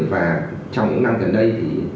và trong những năm gần đây